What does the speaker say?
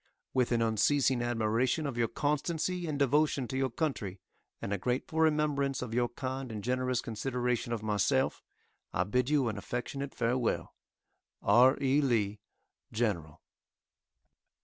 With an unceasing admiration of your constancy and devotion to your country, and a grateful remembrance of your kind and generous consideration of myself, I bid you an affectionate farewell. R. E. LEE, General.